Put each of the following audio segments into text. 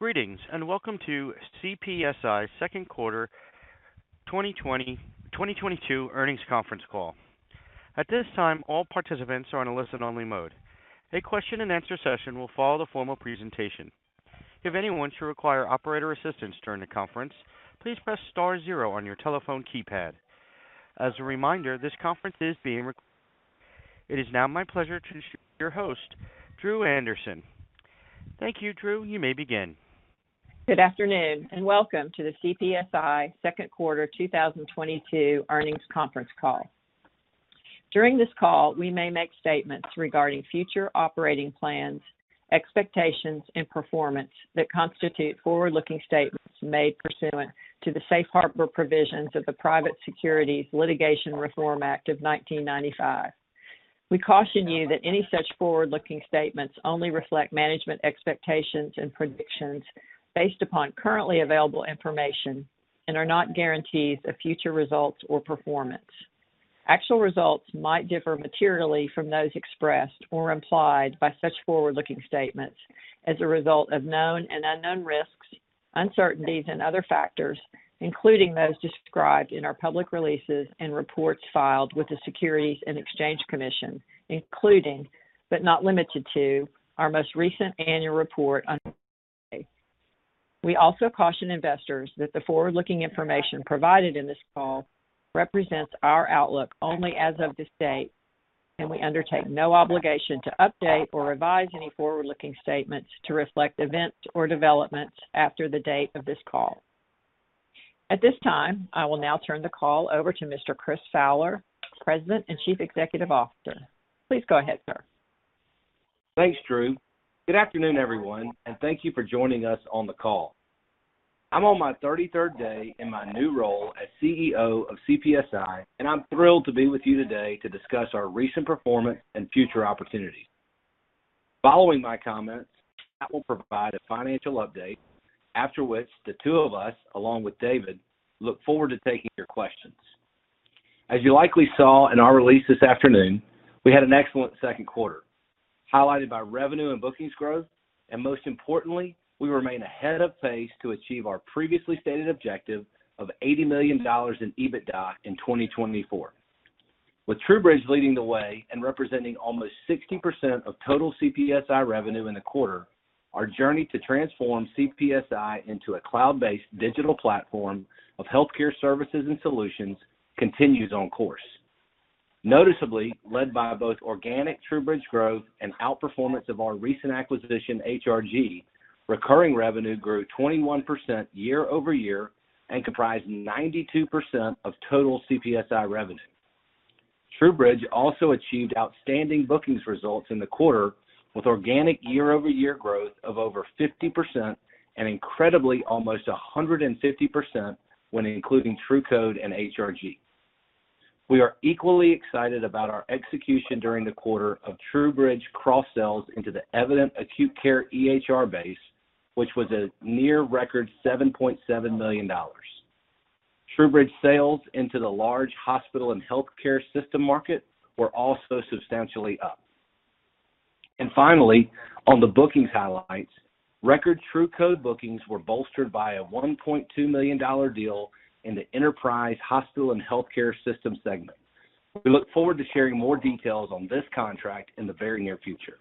Greetings, and welcome to CPSI second quarter 2022 earnings conference call. At this time, all participants are on a listen-only mode. A question and answer session will follow the formal presentation. If anyone should require operator assistance during the conference, please press star zero on your telephone keypad. As a reminder, this conference is being recorded. It is now my pleasure to introduce your host, Dru Anderson. Thank you, Dru. You may begin. Good afternoon, and welcome to the CPSI second quarter 2022 earnings conference call. During this call, we may make statements regarding future operating plans, expectations, and performance that constitute forward-looking statements made pursuant to the safe harbor provisions of the Private Securities Litigation Reform Act of 1995. We caution you that any such forward-looking statements only reflect management expectations and predictions based upon currently available information and are not guarantees of future results or performance. Actual results might differ materially from those expressed or implied by such forward-looking statements as a result of known and unknown risks, uncertainties and other factors, including those described in our public releases and reports filed with the Securities and Exchange Commission, including, but not limited to, our most recent annual report on... We also caution investors that the forward-looking information provided in this call represents our outlook only as of this date, and we undertake no obligation to update or revise any forward-looking statements to reflect events or developments after the date of this call. At this time, I will now turn the call over to Mr. Chris Fowler, President and Chief Executive Officer. Please go ahead, sir. Thanks, Dru. Good afternoon, everyone, and thank you for joining us on the call. I'm on my 33rd day in my new role as CEO of CPSI, and I'm thrilled to be with you today to discuss our recent performance and future opportunities. Following my comments, Matt will provide a financial update, after which the two of us, along with David, look forward to taking your questions. As you likely saw in our release this afternoon, we had an excellent second quarter, highlighted by revenue and bookings growth, and most importantly, we remain ahead of pace to achieve our previously stated objective of $80 million in EBITDA in 2024. With TruBridge leading the way and representing almost 60% of total CPSI revenue in the quarter, our journey to transform CPSI into a cloud-based digital platform of healthcare services and solutions continues on course. Noticeably led by both organic TruBridge growth and outperformance of our recent acquisition, HRG, recurring revenue grew 21% year-over-year and comprised 92% of total CPSI revenue. TruBridge also achieved outstanding bookings results in the quarter with organic year-over-year growth of over 50% and incredibly almost 150% when including TruCode and HRG. We are equally excited about our execution during the quarter of TruBridge cross-sells into the Evident acute care EHR base, which was a near record $7.7 million. TruBridge sales into the large hospital and healthcare system market were also substantially up. Finally, on the bookings highlights, record TruCode bookings were bolstered by a $1.2 million deal in the enterprise hospital and healthcare system segment. We look forward to sharing more details on this contract in the very near future.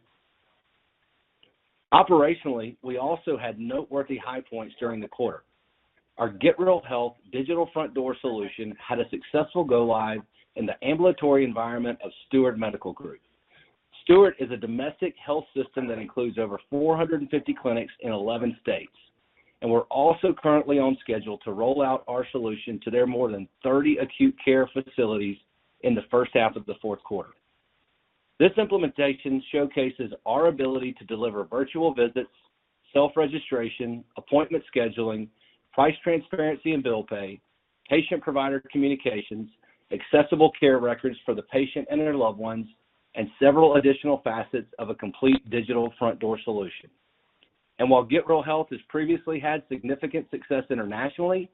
Operationally, we also had noteworthy high points during the quarter. Our Get Real Health digital front door solution had a successful go live in the ambulatory environment of Steward Medical Group. Steward is a domestic health system that includes over 450 clinics in 11 states. We're also currently on schedule to roll out our solution to their more than 30 acute care facilities in the first half of the fourth quarter. This implementation showcases our ability to deliver virtual visits, self-registration, appointment scheduling, price transparency and bill pay, patient-provider communications, accessible care records for the patient and their loved ones, and several additional facets of a complete digital front door solution. While Get Real Health has previously had significant success internationally,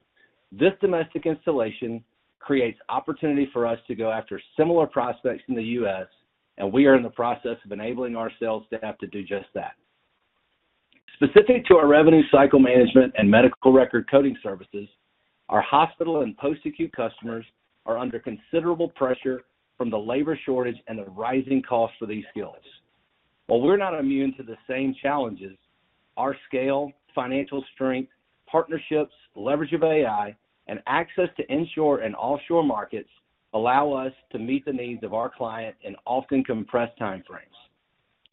this domestic installation creates opportunity for us to go after similar prospects in the U.S., and we are in the process of enabling our sales staff to do just that. Specific to our revenue cycle management and medical record coding services, our hospital and post-acute customers are under considerable pressure from the labor shortage and the rising cost for these skills. While we're not immune to the same challenges, our scale, financial strength, partnerships, leverage of AI, and access to onshore and offshore markets allow us to meet the needs of our client in often compressed time frames.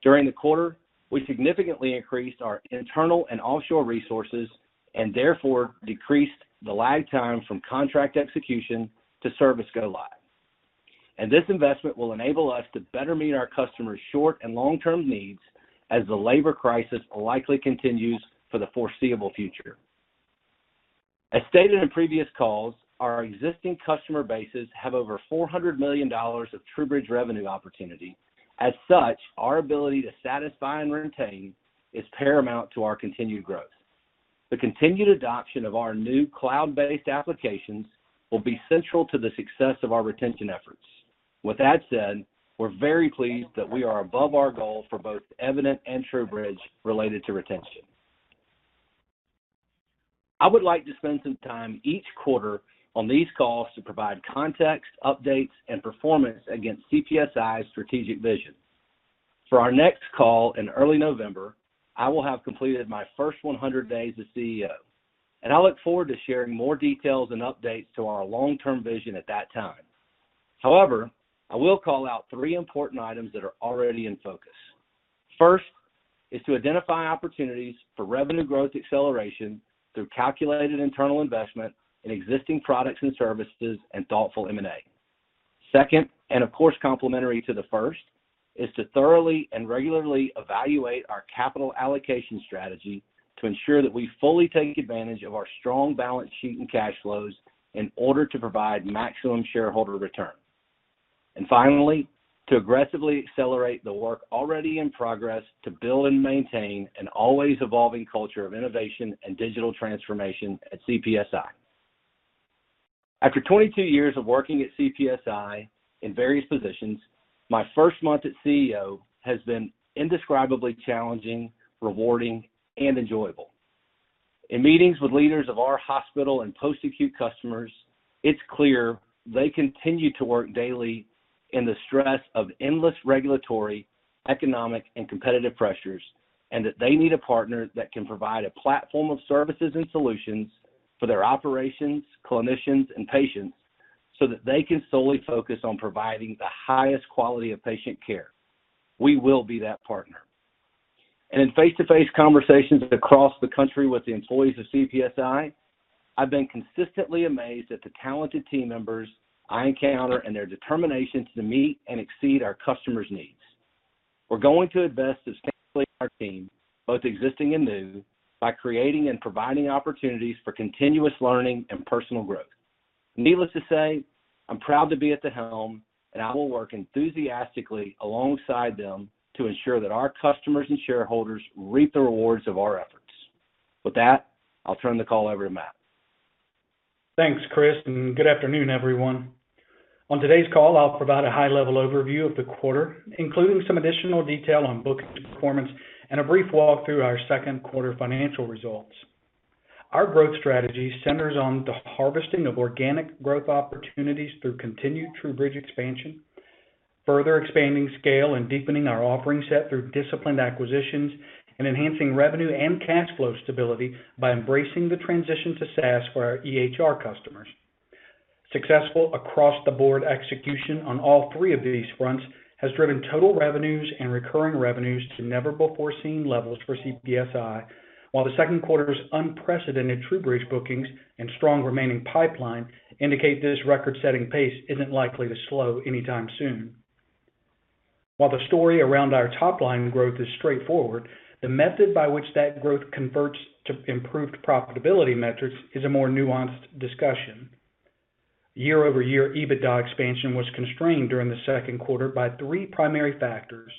During the quarter, we significantly increased our internal and offshore resources and therefore decreased the lag time from contract execution to service go live. This investment will enable us to better meet our customers' short and long-term needs as the labor crisis likely continues for the foreseeable future. As stated in previous calls, our existing customer bases have over $400 million of TruBridge revenue opportunity. As such, our ability to satisfy and retain is paramount to our continued growth. The continued adoption of our new cloud-based applications will be central to the success of our retention efforts. With that said, we're very pleased that we are above our goal for both Evident and TruBridge related to retention. I would like to spend some time each quarter on these calls to provide context, updates, and performance against CPSI's strategic vision. For our next call in early November, I will have completed my first 100 days as CEO, and I look forward to sharing more details and updates to our long-term vision at that time. However, I will call out three important items that are already in focus. First is to identify opportunities for revenue growth acceleration through calculated internal investment in existing products and services and thoughtful M&A. Second, and of course, complementary to the first, is to thoroughly and regularly evaluate our capital allocation strategy to ensure that we fully take advantage of our strong balance sheet and cash flows in order to provide maximum shareholder return. Finally, to aggressively accelerate the work already in progress to build and maintain an always evolving culture of innovation and digital transformation at CPSI. After 22 years of working at CPSI in various positions, my first month as CEO has been indescribably challenging, rewarding, and enjoyable. In meetings with leaders of our hospital and post-acute customers, it's clear they continue to work daily in the stress of endless regulatory, economic, and competitive pressures, and that they need a partner that can provide a platform of services and solutions for their operations, clinicians, and patients, so that they can solely focus on providing the highest quality of patient care. We will be that partner. In face-to-face conversations across the country with the employees of CPSI, I've been consistently amazed at the talented team members I encounter and their determination to meet and exceed our customers' needs. We're going to invest substantially in our team, both existing and new, by creating and providing opportunities for continuous learning and personal growth. Needless to say, I'm proud to be at the helm, and I will work enthusiastically alongside them to ensure that our customers and shareholders reap the rewards of our efforts. With that, I'll turn the call over to Matt. Thanks, Chris, and good afternoon, everyone. On today's call, I'll provide a high-level overview of the quarter, including some additional detail on bookings performance and a brief walk through our second quarter financial results. Our growth strategy centers on the harvesting of organic growth opportunities through continued TruBridge expansion, further expanding scale and deepening our offering set through disciplined acquisitions, and enhancing revenue and cash flow stability by embracing the transition to SaaS for our EHR customers. Successful across-the-board execution on all three of these fronts has driven total revenues and recurring revenues to never-before-seen levels for CPSI, while the second quarter's unprecedented TruBridge bookings and strong remaining pipeline indicate this record-setting pace isn't likely to slow anytime soon. While the story around our top line growth is straightforward, the method by which that growth converts to improved profitability metrics is a more nuanced discussion. Year-over-year EBITDA expansion was constrained during the second quarter by three primary factors,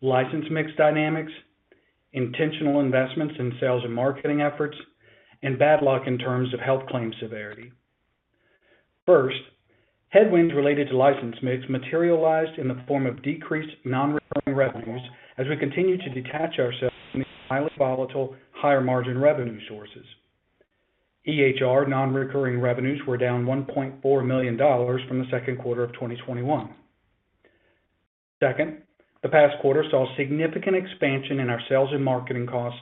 license mix dynamics, intentional investments in sales and marketing efforts, and bad luck in terms of health claim severity. First, headwinds related to license mix materialized in the form of decreased non-recurring revenues as we continue to detach ourselves from these highly volatile, higher margin revenue sources. EHR non-recurring revenues were down $1.4 million from the second quarter of 2021. Second, the past quarter saw significant expansion in our sales and marketing costs,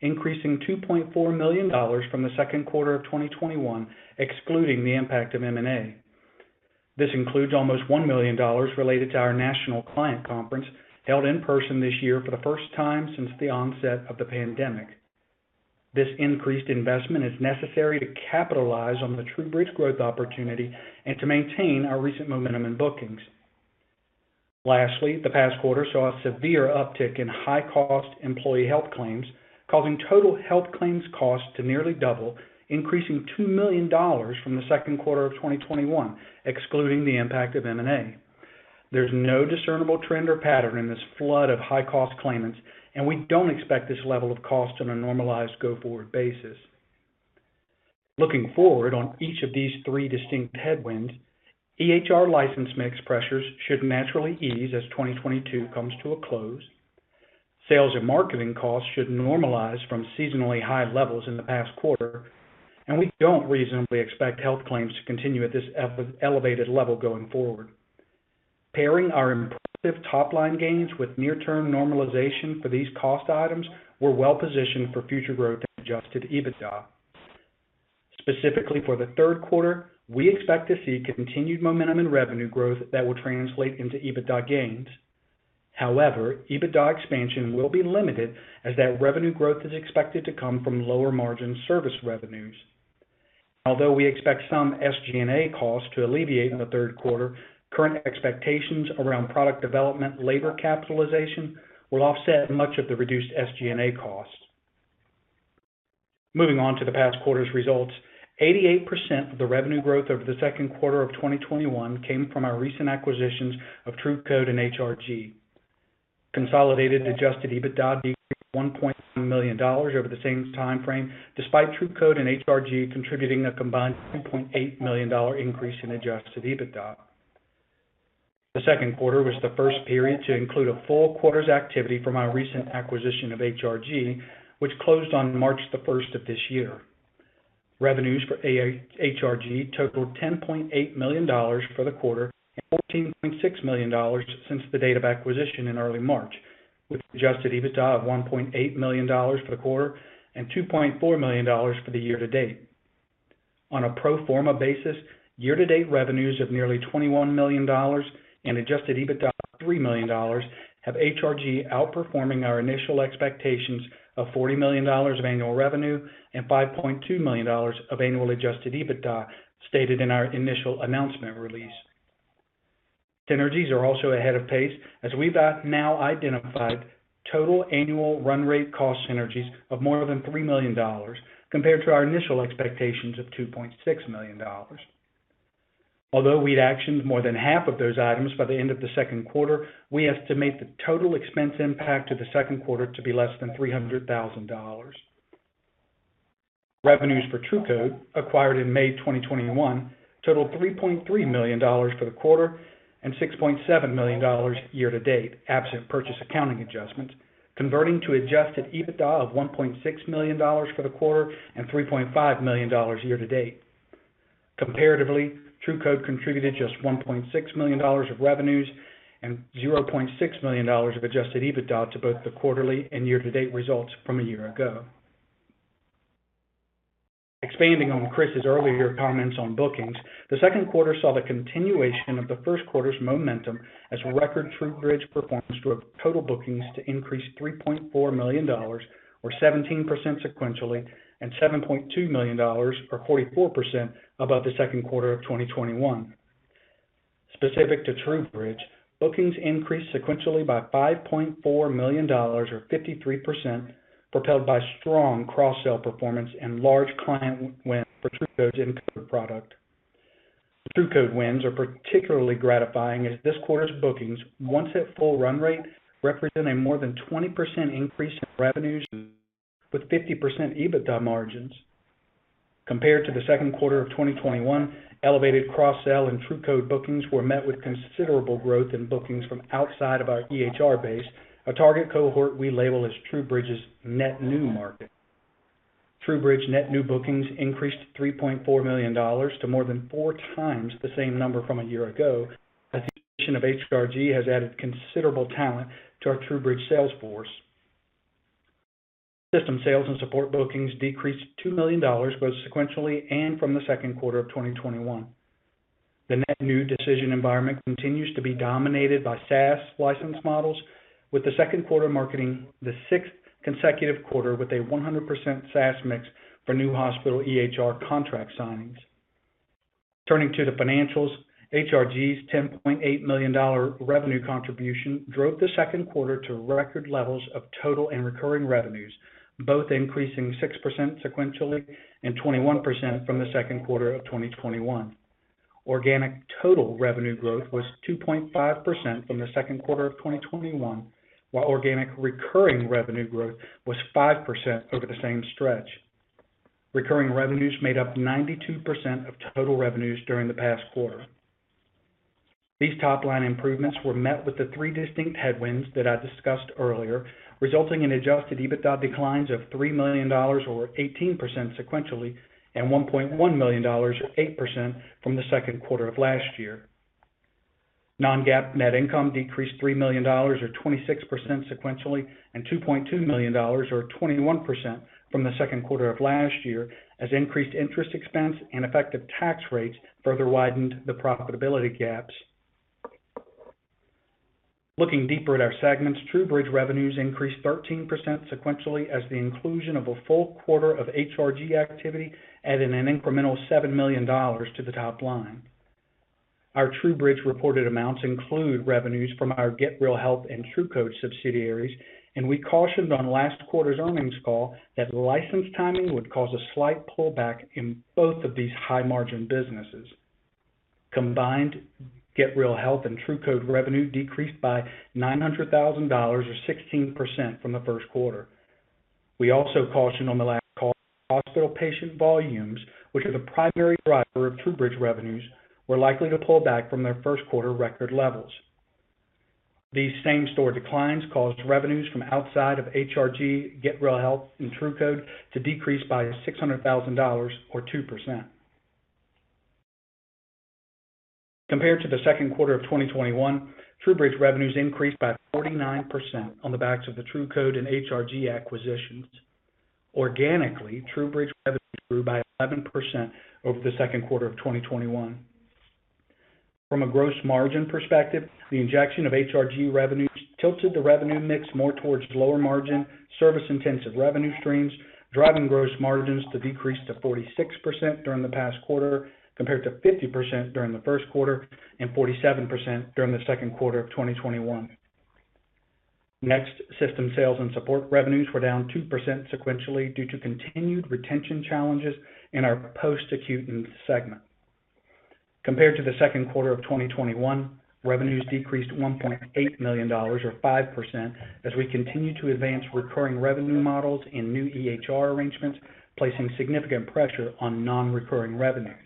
increasing $2.4 million from the second quarter of 2021, excluding the impact of M&A. This includes almost $1 million related to our national client conference held in person this year for the first time since the onset of the pandemic. This increased investment is necessary to capitalize on the TruBridge growth opportunity and to maintain our recent momentum in bookings. Lastly, the past quarter saw a severe uptick in high-cost employee health claims, causing total health claims costs to nearly double, increasing $2 million from the second quarter of 2021, excluding the impact of M&A. There's no discernible trend or pattern in this flood of high-cost claimants, and we don't expect this level of cost on a normalized go-forward basis. Looking forward on each of these three distinct headwinds, EHR license mix pressures should naturally ease as 2022 comes to a close. Sales and marketing costs should normalize from seasonally high levels in the past quarter, and we don't reasonably expect health claims to continue at this elevated level going forward. Pairing our impressive top-line gains with near-term normalization for these cost items, we're well positioned for future growth in adjusted EBITDA. Specifically for the third quarter, we expect to see continued momentum in revenue growth that will translate into EBITDA gains. However, EBITDA expansion will be limited as that revenue growth is expected to come from lower margin service revenues. Although we expect some SG&A costs to alleviate in the third quarter, current expectations around product development labor capitalization will offset much of the reduced SG&A costs. Moving on to the past quarter's results, 88% of the revenue growth over the second quarter of 2021 came from our recent acquisitions of TruCode and HRG. Consolidated adjusted EBITDA decreased to $1.1 million over the same time frame, despite TruCode and HRG contributing a combined $2.8 million increase in adjusted EBITDA. The second quarter was the first period to include a full quarter's activity from our recent acquisition of HRG, which closed on March 1st of this year. Revenues for HRG totaled $10.8 million for the quarter and $14.6 million since the date of acquisition in early March, with adjusted EBITDA of $1.8 million for the quarter and $2.4 million for the year-to-date. On a pro forma basis, year-to-date revenues of nearly $21 million and adjusted EBITDA of $3 million have HRG outperforming our initial expectations of $40 million of annual revenue and $5.2 million of annual adjusted EBITDA stated in our initial announcement release. Synergies are also ahead of pace as we've now identified total annual run rate cost synergies of more than $3 million compared to our initial expectations of $2.6 million. Although we'd actioned more than half of those items by the end of the second quarter, we estimate the total expense impact of the second quarter to be less than $300,000. Revenues for TruCode, acquired in May 2021, totaled $3.3 million for the quarter and $6.7 million year-to-date, absent purchase accounting adjustments, converting to adjusted EBITDA of $1.6 million for the quarter and $3.5 million year-to-date. Comparatively, TruCode contributed just $1.6 million of revenues and $0.6 million of adjusted EBITDA to both the quarterly and year-to-date results from a year ago. Expanding on Chris's earlier comments on bookings, the second quarter saw the continuation of the first quarter's momentum as record TruBridge performance drove total bookings to increase $3.4 million or 17% sequentially, and $7.2 million or 44% above the second quarter of 2021. Specific to TruBridge, bookings increased sequentially by $5.4 million or 53%, propelled by strong cross-sell performance and large client win for TruCode's encoder product. TruCode wins are particularly gratifying as this quarter's bookings, once at full run rate, represent a more than 20% increase in revenues with 50% EBITDA margins. Compared to the second quarter of 2021, elevated cross-sell and TruCode bookings were met with considerable growth in bookings from outside of our EHR base, a target cohort we label as TruBridge's net new market. TruBridge net new bookings increased to $3.4 million to more than 4x the same number from a year ago, as the addition of HRG has added considerable talent to our TruBridge sales force. System sales and support bookings decreased $2 million both sequentially and from the second quarter of 2021. The net new decision environment continues to be dominated by SaaS license models, with the second quarter marking the sixth consecutive quarter with a 100% SaaS mix for new hospital EHR contract signings. Turning to the financials, HRG's $10.8 million dollar revenue contribution drove the second quarter to record levels of total and recurring revenues, both increasing 6% sequentially and 21% from the second quarter of 2021. Organic total revenue growth was 2.5% from the second quarter of 2021, while organic recurring revenue growth was 5% over the same stretch. Recurring revenues made up 92% of total revenues during the past quarter. These top-line improvements were met with the three distinct headwinds that I discussed earlier, resulting in adjusted EBITDA declines of $3 million or 18% sequentially and $1.1 million, or 8% from the second quarter of last year. Non-GAAP net income decreased $3 million or 26% sequentially and $2.2 million or 21% from the second quarter of last year, as increased interest expense and effective tax rates further widened the profitability gaps. Looking deeper at our segments, TruBridge revenues increased 13% sequentially as the inclusion of a full quarter of HRG activity added an incremental $7 million to the top line. Our TruBridge reported amounts include revenues from our Get Real Health and TruCode subsidiaries, and we cautioned on last quarter's earnings call that license timing would cause a slight pullback in both of these high-margin businesses. Combined, Get Real Health and TruCode revenue decreased by $900,000 or 16% from the first quarter. We also cautioned on the last call that hospital patient volumes, which are the primary driver of TruBridge revenues, were likely to pull back from their first quarter record levels. These same-store declines caused revenues from outside of HRG, Get Real Health, and TruCode to decrease by $600,000 or 2%. Compared to the second quarter of 2021, TruBridge revenues increased by 49% on the backs of the TruCode and HRG acquisitions. Organically, TruBridge revenues grew by 11% over the second quarter of 2021. From a gross margin perspective, the injection of HRG revenues tilted the revenue mix more towards lower margin, service-intensive revenue streams, driving gross margins to decrease to 46% during the past quarter, compared to 50% during the first quarter and 47% during the second quarter of 2021. Next, system sales and support revenues were down 2% sequentially due to continued retention challenges in our post-acute segment. Compared to the second quarter of 2021, revenues decreased $1.8 million or 5% as we continue to advance recurring revenue models in new EHR arrangements, placing significant pressure on non-recurring revenues.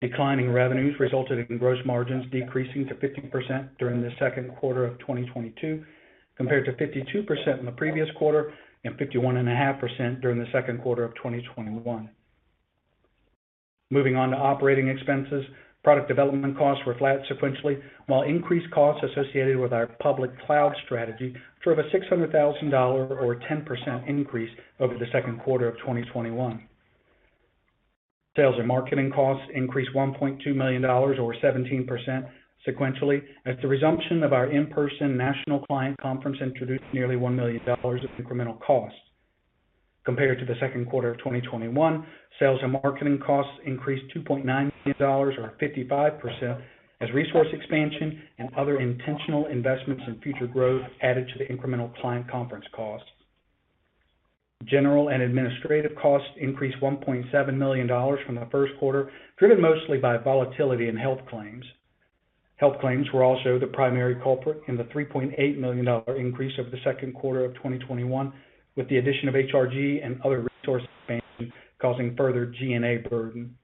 Declining revenues resulted in gross margins decreasing to 50% during the second quarter of 2022, compared to 52% in the previous quarter and 51.5% during the second quarter of 2021. Moving on to operating expenses. Product development costs were flat sequentially, while increased costs associated with our public cloud strategy drove a $600,000 or 10% increase over the second quarter of 2021. Sales and marketing costs increased $1.2 million or 17% sequentially as the resumption of our in-person national client conference introduced nearly $1 million of incremental costs. Compared to the second quarter of 2021, sales and marketing costs increased $2.9 million or 55% as resource expansion and other intentional investments in future growth added to the incremental client conference costs. General and administrative costs increased $1.7 million from the first quarter, driven mostly by volatility in health claims. Health claims were also the primary culprit in the $3.8 million increase over the second quarter of 2021, with the addition of HRG and other resource expansion causing further G&A burden.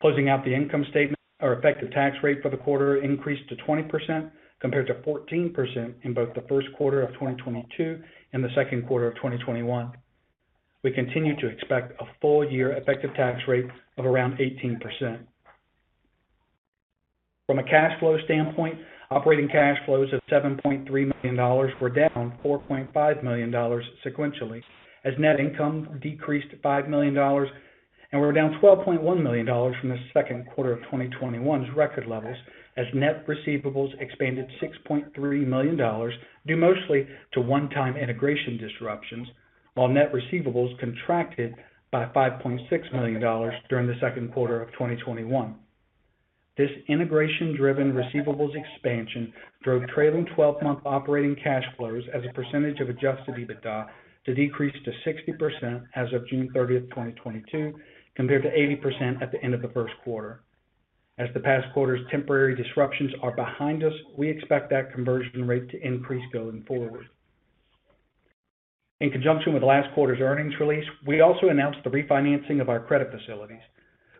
Closing out the income statement, our effective tax rate for the quarter increased to 20% compared to 14% in both the first quarter of 2022 and the second quarter of 2021. We continue to expect a full year effective tax rate of around 18%. From a cash flow standpoint, operating cash flows of $7.3 million were down $4.5 million sequentially as net income decreased $5 million. We're down $12.1 million from the second quarter of 2021's record levels as net receivables expanded $6.3 million, due mostly to one-time integration disruptions, while net receivables contracted by $5.6 million during the second quarter of 2021. This integration driven receivables expansion drove trailing twelve-month operating cash flows as a percentage of adjusted EBITDA to decrease to 60% as of June 30th, 2022, compared to 80% at the end of the first quarter. As the past quarter's temporary disruptions are behind us, we expect that conversion rate to increase going forward. In conjunction with last quarter's earnings release, we also announced the refinancing of our credit facilities,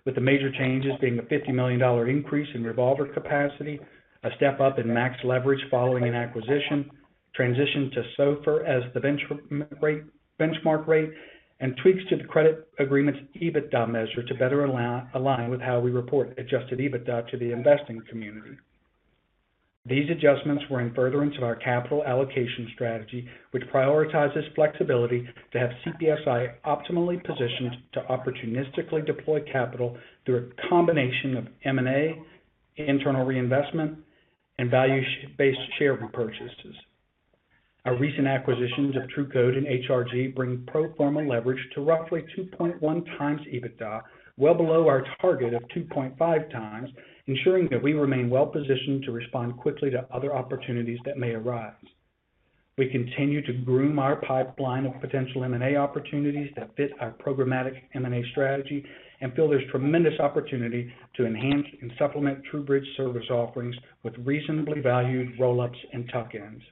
with the major changes being a $50 million increase in revolver capacity, a step-up in max leverage following an acquisition, transition to SOFR as the benchmark rate, and tweaks to the credit agreement's EBITDA measure to better align with how we report adjusted EBITDA to the investing community. These adjustments were in furtherance of our capital allocation strategy, which prioritizes flexibility to have CPSI optimally positioned to opportunistically deploy capital through a combination of M&A, internal reinvestment, and value-based share repurchases. Our recent acquisitions of TruCode and HRG bring pro forma leverage to roughly 2.1x EBITDA, well below our target of 2.5x, ensuring that we remain well-positioned to respond quickly to other opportunities that may arise. We continue to groom our pipeline of potential M&A opportunities that fit our programmatic M&A strategy and feel there's tremendous opportunity to enhance and supplement TruBridge service offerings with reasonably valued roll-ups and tuck-ins.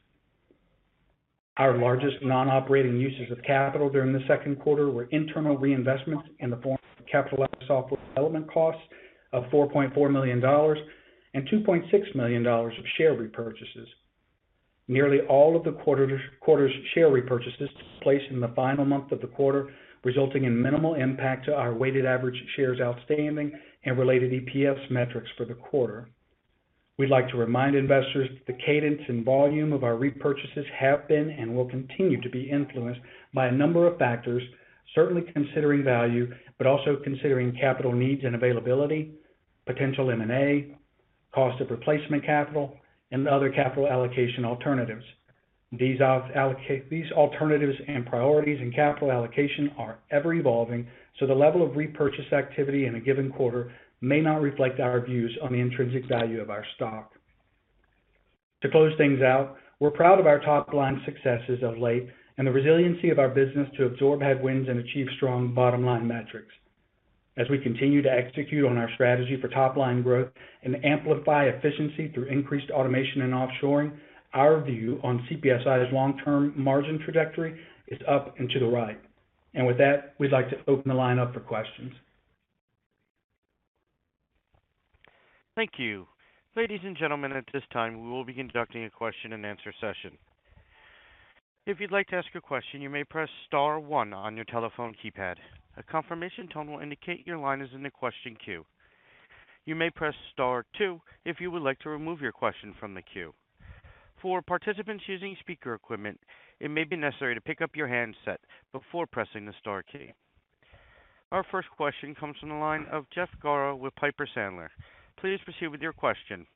Our largest non-operating uses of capital during the second quarter were internal reinvestments in the form of capitalized software development costs of $4.4 million and $2.6 million of share repurchases. Nearly all of the quarter's share repurchases took place in the final month of the quarter, resulting in minimal impact to our weighted average shares outstanding and related EPS metrics for the quarter. We'd like to remind investors that the cadence and volume of our repurchases have been and will continue to be influenced by a number of factors, certainly considering value, but also considering capital needs and availability, potential M&A, cost of replacement capital, and other capital allocation alternatives. These alternatives and priorities in capital allocation are ever evolving, so the level of repurchase activity in a given quarter may not reflect our views on the intrinsic value of our stock. To close things out, we're proud of our top-line successes of late and the resiliency of our business to absorb headwinds and achieve strong bottom-line metrics. As we continue to execute on our strategy for top line growth and amplify efficiency through increased automation and offshoring, our view on CPSI's long-term margin trajectory is up and to the right. With that, we'd like to open the line up for questions. Thank you. Ladies and gentlemen, at this time, we will be conducting a question-and-answer session. If you'd like to ask a question, you may press star one on your telephone keypad. A confirmation tone will indicate your line is in the question queue. You may press star two if you would like to remove your question from the queue. For participants using speaker equipment, it may be necessary to pick up your handset before pressing the star key. Our first question comes from the line of Jeff Garro with Piper Sandler. Please proceed with your question.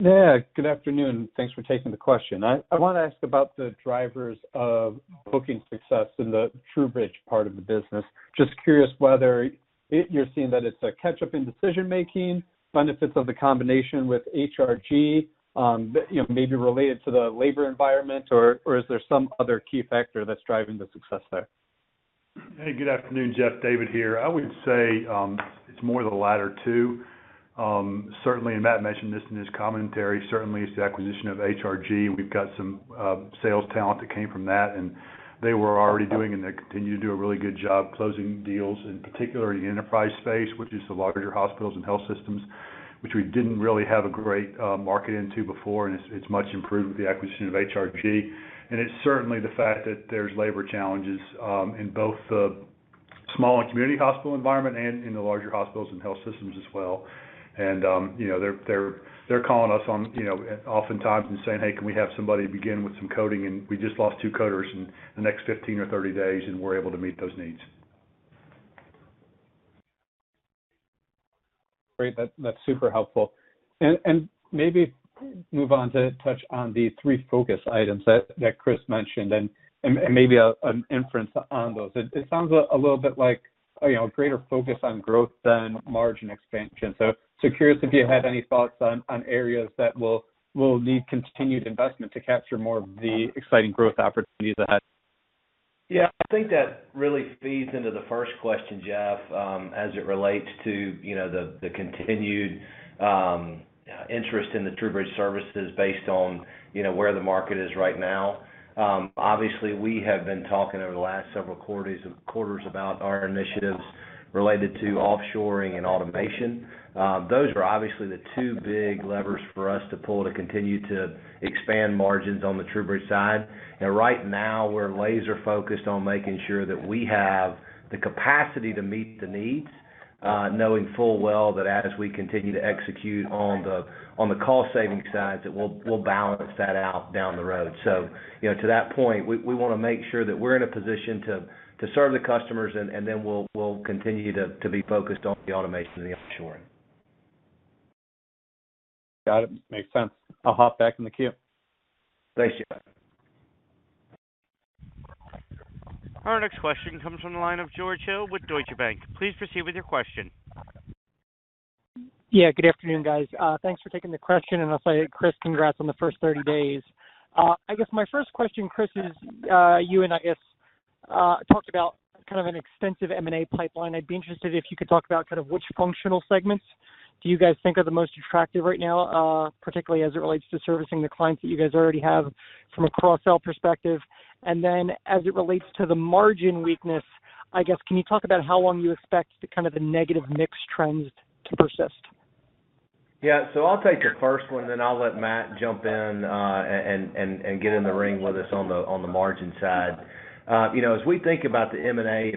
Yeah, good afternoon. Thanks for taking the question. I wanna ask about the drivers of booking success in the TruBridge part of the business. Just curious whether it's a catch-up in decision-making, benefits of the combination with HRG, you know, maybe related to the labor environment, or is there some other key factor that's driving the success there? Hey, good afternoon, Jeff. David here. I would say, it's more the latter two. Certainly, Matt mentioned this in his commentary. Certainly it's the acquisition of HRG. We've got some sales talent that came from that, and they were already doing and they continue to do a really good job closing deals, in particular in the enterprise space, which is the larger hospitals and health systems, which we didn't really have a great market into before, and it's much improved with the acquisition of HRG. It's certainly the fact that there's labor challenges in both the small and community hospital environment and in the larger hospitals and health systems as well. You know, they're calling us on, you know, oftentimes and saying, "Hey, can we have somebody begin with some coding? And we just lost two coders in the next 15 or 30 days," and we're able to meet those needs. Great. That's super helpful. Maybe move on to touch on the three focus items that Chris mentioned and maybe an inference on those. It sounds a little bit like, you know, a greater focus on growth than margin expansion. Curious if you had any thoughts on areas that will need continued investment to capture more of the exciting growth opportunities ahead. Yeah. I think that really feeds into the first question, Jeff, as it relates to, you know, the continued interest in the TruBridge services based on, you know, where the market is right now. Obviously, we have been talking over the last several quarters about our initiatives related to offshoring and automation. Those are obviously the two big levers for us to pull to continue to expand margins on the TruBridge side. Right now, we're laser-focused on making sure that we have the capacity to meet the needs, knowing full well that as we continue to execute on the cost-saving side, that we'll balance that out down the road. You know, to that point, we wanna make sure that we're in a position to serve the customers, and then we'll continue to be focused on the automation and the offshoring. Got it. Makes sense. I'll hop back in the queue. Thank you. Our next question comes from the line of George Hill with Deutsche Bank. Please proceed with your question. Yeah, good afternoon, guys. Thanks for taking the question, and I'll say, Chris, congrats on the first 30 days. I guess my first question, Chris, is, you and I guess, talked about kind of an extensive M&A pipeline. I'd be interested if you could talk about kind of which functional segments do you guys think are the most attractive right now, particularly as it relates to servicing the clients that you guys already have from a cross-sell perspective. Then as it relates to the margin weakness, I guess, can you talk about how long you expect the kind of a negative mix trends to persist? Yeah. I'll take the first one, then I'll let Matt jump in, and get in the ring with us on the margin side. You know, as we think about the M&A,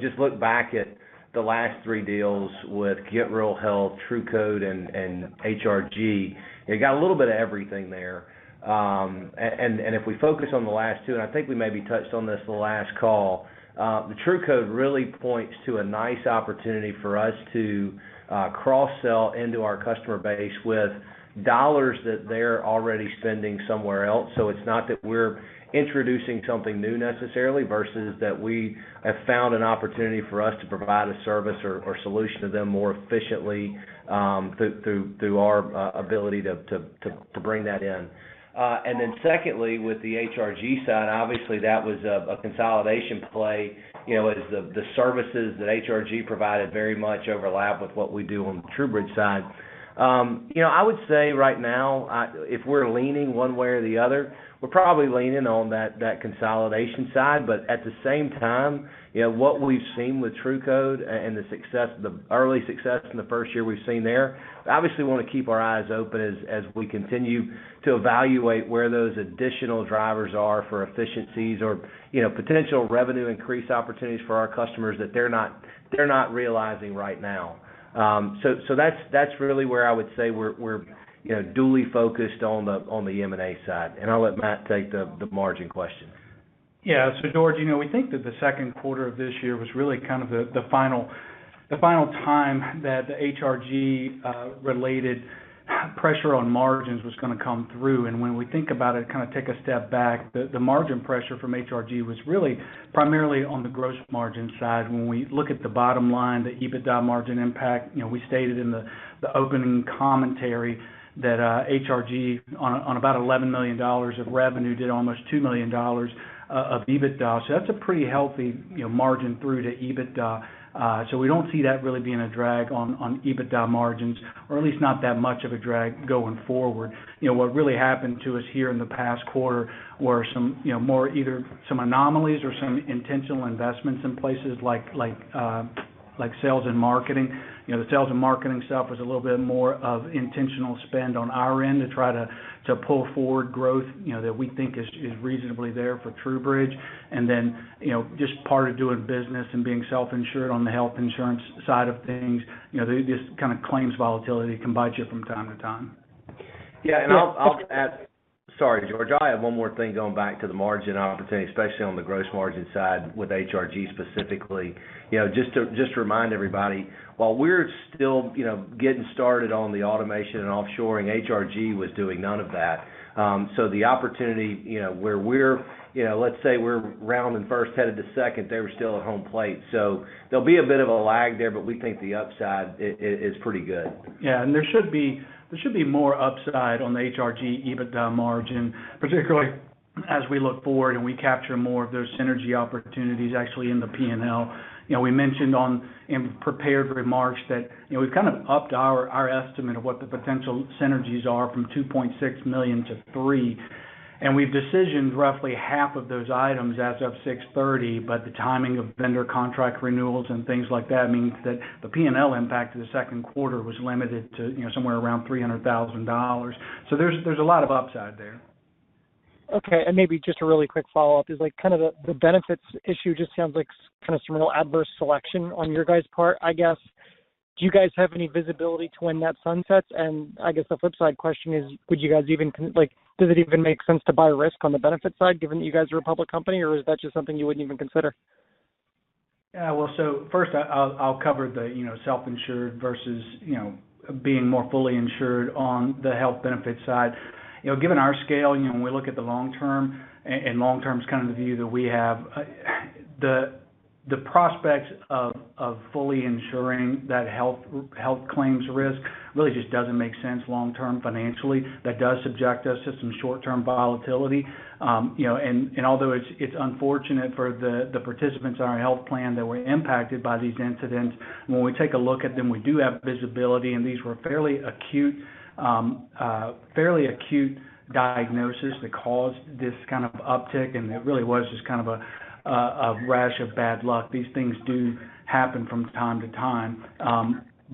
just look back at the last three deals with Get Real Health, TruCode, and HRG, it got a little bit of everything there. If we focus on the last two, and I think we maybe touched on this the last call, the TruCode really points to a nice opportunity for us to cross-sell into our customer base with dollars that they're already spending somewhere else. It's not that we're introducing something new necessarily, versus that we have found an opportunity for us to provide a service or solution to them more efficiently, through our ability to bring that in. Secondly, with the HRG side, obviously that was a consolidation play, you know, as the services that HRG provided very much overlap with what we do on the TruBridge side. You know, I would say right now, if we're leaning one way or the other, we're probably leaning on that consolidation side. At the same time, you know, what we've seen with TruCode and the success, the early success in the first year we've seen there, obviously wanna keep our eyes open as we continue to evaluate where those additional drivers are for efficiencies or, you know, potential revenue increase opportunities for our customers that they're not realizing right now. That's really where I would say we're, you know, duly focused on the M&A side. I'll let Matt take the margin question. Yeah. George, you know, we think that the second quarter of this year was really kind of the final time that the HRG related pressure on margins was gonna come through. When we think about it, kind of take a step back, the margin pressure from HRG was really primarily on the gross margin side. When we look at the bottom line, the EBITDA margin impact, you know, we stated in the opening commentary that HRG on about $11 million of revenue did almost $2 million of EBITDA. That's a pretty healthy, you know, margin through to EBITDA. We don't see that really being a drag on EBITDA margins, or at least not that much of a drag going forward. You know, what really happened to us here in the past quarter were some, you know, more either some anomalies or some intentional investments in places like sales and marketing. You know, the sales and marketing stuff is a little bit more of intentional spend on our end to try to pull forward growth, you know, that we think is reasonably there for TruBridge. Then, you know, just part of doing business and being self-insured on the health insurance side of things, you know, they just kind of claims volatility can bite you from time to time. Yeah. I'll add. Sorry, George. I have one more thing going back to the margin opportunity, especially on the gross margin side with HRG specifically. You know, just to remind everybody, while we're still, you know, getting started on the automation and offshoring, HRG was doing none of that. The opportunity, you know, where we're, you know, let's say we're rounding first, headed to second, they were still at home plate. There'll be a bit of a lag there, but we think the upside is pretty good. Yeah. There should be more upside on the HRG EBITDA margin, particularly as we look forward and we capture more of those synergy opportunities actually in the P&L. You know, we mentioned in prepared remarks that, you know, we've kind of upped our estimate of what the potential synergies are from $2.6 million to $3 million. We've decisioned roughly half of those items as of 6/30, but the timing of vendor contract renewals and things like that means that the P&L impact to the second quarter was limited to, you know, somewhere around $300,000. There's a lot of upside there. Okay. Maybe just a really quick follow-up is like, kind of the benefits issue just sounds like some kind of some real adverse selection on your guys' part, I guess. Do you guys have any visibility to when that sunsets? I guess the flip side question is, would you guys even like, does it even make sense to buy risk on the benefits side given that you guys are a public company, or is that just something you wouldn't even consider? Yeah. Well, first I'll cover the, you know, self-insured versus, you know, being more fully insured on the health benefit side. You know, given our scale, you know, when we look at the long term, and long term is kind of the view that we have, the prospects of fully ensuring that health claims risk really just doesn't make sense long-term financially. That does subject us to some short-term volatility. You know, and although it's unfortunate for the participants in our health plan that were impacted by these incidents, when we take a look at them, we do have visibility, and these were fairly acute diagnosis that caused this kind of uptick, and it really was just kind of a rash of bad luck. These things do happen from time to time.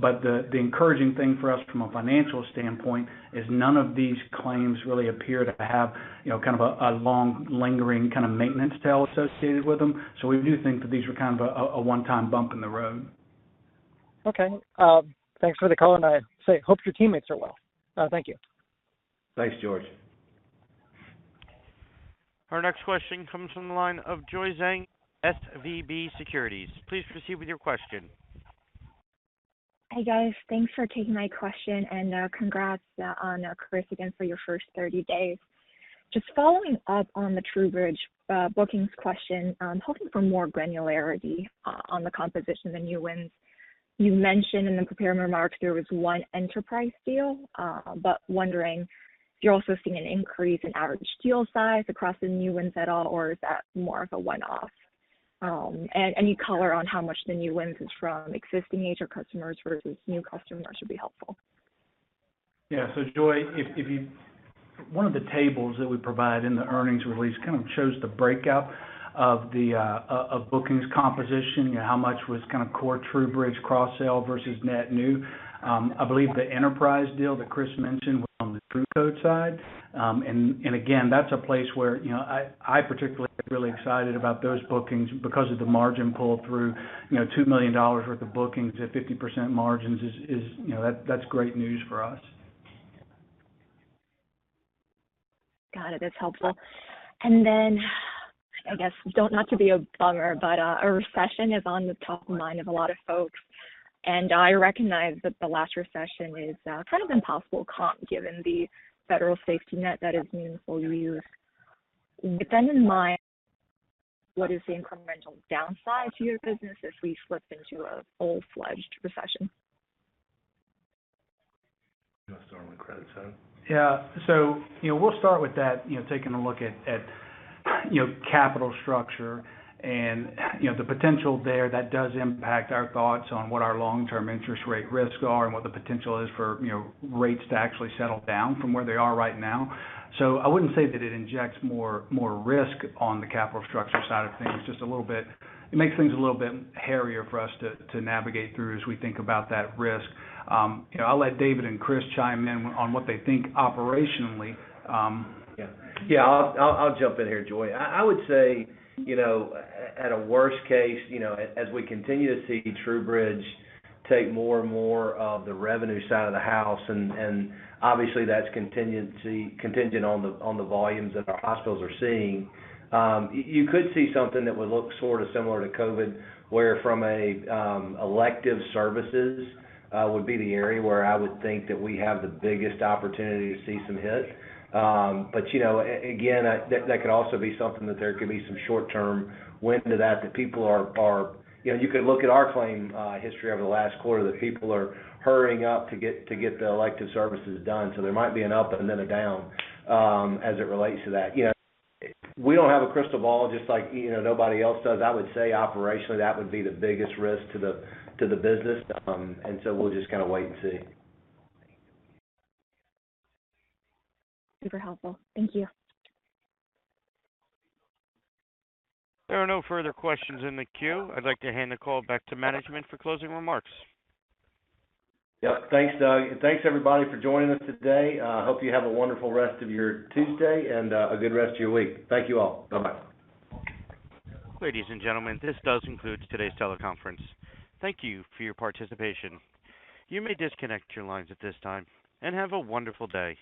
The encouraging thing for us from a financial standpoint is none of these claims really appear to have, you know, kind of a long lingering kind of maintenance tail associated with them. We do think that these were kind of a one-time bump in the road. Okay. Thanks for the call, and I say, hope your teammates are well. Thank you. Thanks, George. Our next question comes from the line of Joy Zhang, SVB Securities. Please proceed with your question. Hi, guys. Thanks for taking my question, and, congrats, on, Chris, again, for your first 30 days. Just following up on the TruBridge bookings question, I'm hoping for more granularity on the composition of the new wins. You mentioned in the prepared remarks there was one enterprise deal, but wondering if you're also seeing an increase in average deal size across the new wins at all, or is that more of a one-off? And any color on how much the new wins is from existing major customers versus new customers should be helpful. Joy, one of the tables that we provide in the earnings release kind of shows the breakout of the of bookings composition, you know, how much was kind of core TruBridge cross-sell versus net new. I believe the enterprise deal that Chris mentioned was on the TruCode side. And again, that's a place where, you know, I particularly get really excited about those bookings because of the margin pull through. You know, $2 million worth of bookings at 50% margins is, you know, that's great news for us. Got it. That's helpful. I guess, not to be a bummer, but a recession is on the top of mind of a lot of folks, and I recognize that the last recession is kind of impossible comp given the federal safety net that is meaningfully used. With that in mind, what is the incremental downside to your business if we slip into a full-fledged recession? You wanna start on the credit side? Yeah. You know, we'll start with that, you know, taking a look at, you know, capital structure and, you know, the potential there that does impact our thoughts on what our long-term interest rate risks are and what the potential is for, you know, rates to actually settle down from where they are right now. I wouldn't say that it injects more risk on the capital structure side of things just a little bit. It makes things a little bit hairier for us to navigate through as we think about that risk. You know, I'll let David and Chris chime in on what they think operationally. Yeah. I'll jump in here, Joy. I would say, you know, in a worst case, you know, as we continue to see TruBridge take more and more of the revenue side of the house, and obviously that's contingent on the volumes that our hospitals are seeing. You could see something that would look sort of similar to COVID, where from a elective services would be the area where I would think that we have the biggest opportunity to see some hit. You know, again, that could also be something that there could be some short-term win to that. You know, you could look at our claims history over the last quarter that people are hurrying up to get the elective services done. There might be an up and then a down, as it relates to that. You know, we don't have a crystal ball, just like, you know, nobody else does. I would say operationally, that would be the biggest risk to the business. We'll just kinda wait and see. Super helpful. Thank you. There are no further questions in the queue. I'd like to hand the call back to management for closing remarks. Yep. Thanks, Doug. Thanks everybody for joining us today. Hope you have a wonderful rest of your Tuesday and a good rest of your week. Thank you all. Bye-bye. Ladies and gentlemen, this does conclude today's teleconference. Thank you for your participation. You may disconnect your lines at this time, and have a wonderful day.